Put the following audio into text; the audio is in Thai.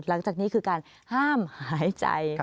หลังจากนี้คือการห้ามหายใจ